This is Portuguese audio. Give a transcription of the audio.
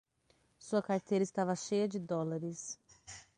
Sua carteira estava cheia de dólares